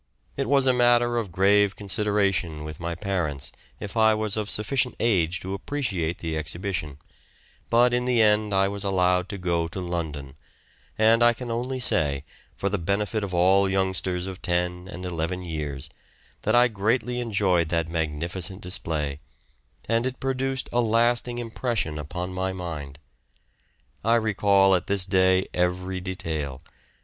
It was a matter of grave consideration with my parents if I was of sufficient age to appreciate the exhibition, but in the end I was allowed to go to London; and I can only say, for the benefit of all youngsters of 10 and 11 years, that I greatly enjoyed that magnificent display, and it produced a lasting impression upon my mind. I recall at this day every detail.